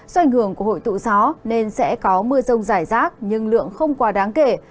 do ảnh hưởng của hội tụ gió nên sẽ có mưa rông rải rác nhưng lượng không quá đáng kể